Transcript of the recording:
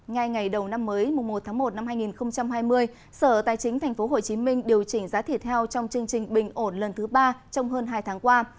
ngay ngày đầu năm mới mùa một tháng một năm hai nghìn hai mươi sở tài chính tp hcm điều chỉnh giá thịt heo trong chương trình bình ổn lần thứ ba trong hơn hai tháng qua